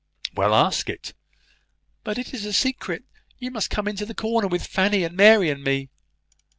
"Well, ask it." "But it is a secret. You must come into the corner with Fanny, and Mary, and me."